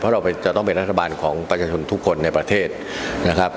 เพราะเราจะต้องเป็นรัฐบาลของประชาชนทุกคนในประเทศนะครับ